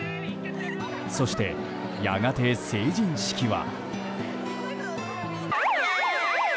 そして、やがて成人式は。